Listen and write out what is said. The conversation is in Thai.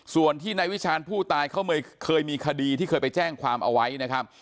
ส่วนที่นายวิชาญผู้ตายเขาเคยมีคดีที่เคยไปแจ้งความเอาไว้นะครับ